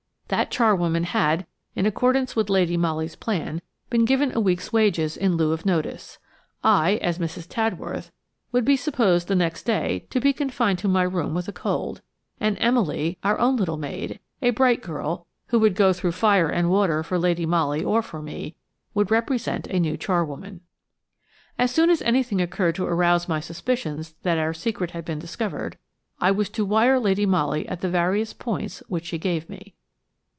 That charwoman had, in accordance with Lady Molly's plan, been given a week's wages in lieu of notice. I–as Mrs. Tadworth–would be supposed the next day to be confined to my room with a cold, and Emily–our own little maid, a bright girl, who would go through fire and water for Lady Molly or for me–would represent a new charwoman. As soon as anything occurred to arouse my suspicions that our secret had been discovered, I was to wire to Lady Molly at the various points which she gave me.